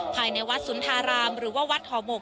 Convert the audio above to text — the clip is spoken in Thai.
ภายในวัดสุนทารามหรือว่าวัดห่อหมก